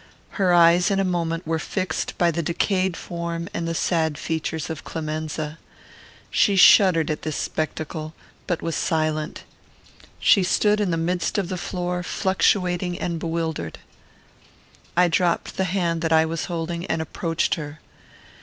Her eyes in a moment were fixed by the decayed form and the sad features of Clemenza. She shuddered at this spectacle, but was silent. She stood in the midst of the floor, fluctuating and bewildered. I dropped the hand that I was holding, and approached her.